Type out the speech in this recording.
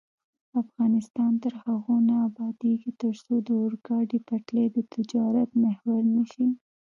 افغانستان تر هغو نه ابادیږي، ترڅو د اورګاډي پټلۍ د تجارت محور نشي.